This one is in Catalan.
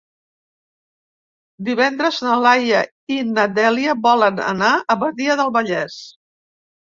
Divendres na Laia i na Dèlia volen anar a Badia del Vallès.